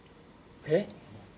えっ？